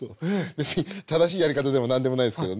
別に正しいやり方でも何でもないですけどね。